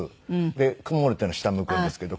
で曇るっていうのは下を向くんですけど。